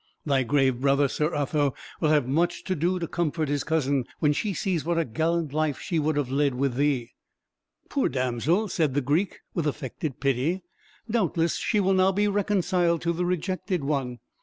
Thy grave brother, Sir Otho, will have much to do to comfort his cousin when she sees what a gallant life she would have led with thee." "Poor damsel," said the Greek, with affected pity, "doubtless she will now be reconciled to the rejected one.